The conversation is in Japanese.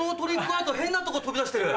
アート変なとこ飛び出してる。